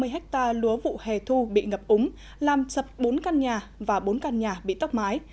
ba mươi ha lúa vụ hề thu bị ngập úng làm sập bốn căn nhà và bốn căn nhà bị tóc mái